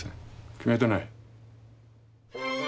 決めてない？